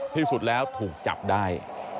พิสุทธิ์แล้วถูกจับได้